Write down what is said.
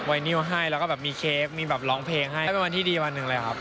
นิวให้แล้วก็แบบมีเค้กมีแบบร้องเพลงให้เป็นวันที่ดีวันหนึ่งเลยครับ